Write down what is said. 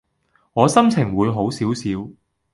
我心情會好少少